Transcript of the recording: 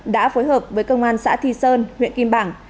đã phối hợp với cơ quan xã thi sơn huyện kim bảng